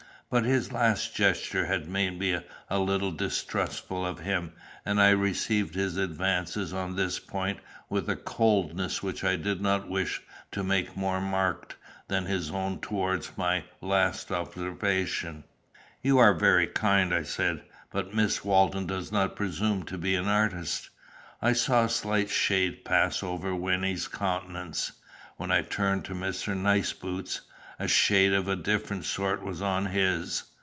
But his last gesture had made me a little distrustful of him, and I received his advances on this point with a coldness which I did not wish to make more marked than his own towards my last observation. "You are very kind," I said; "but Miss Walton does not presume to be an artist." I saw a slight shade pass over Wynnie's countenance. When I turned to Mr. Niceboots, a shade of a different sort was on his.